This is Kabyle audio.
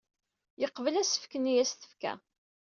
Yeqbel asefk-nni ay as-tefka.